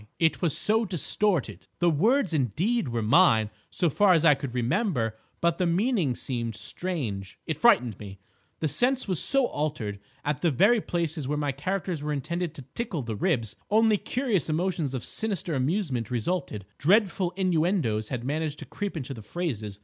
"It was so distorted. The words, indeed, were mine so far as I could remember, but the meanings seemed strange. It frightened me. The sense was so altered. At the very places where my characters were intended to tickle the ribs, only curious emotions of sinister amusement resulted. Dreadful innuendoes had managed to creep into the phrases.